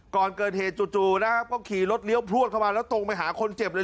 ก่อนเกิดเหตุจู่นะครับก็ขี่รถเลี้ยวพลวดเข้ามาแล้วตรงไปหาคนเจ็บเลย